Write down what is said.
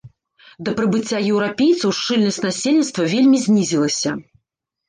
Да прыбыцця еўрапейцаў шчыльнасць насельніцтва вельмі знізілася.